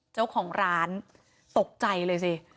เจ้าของร้านตกใจเลยสิ